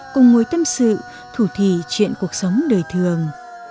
cùng ngồi tâm sự thủ thị chuyện cuộc sống đời thường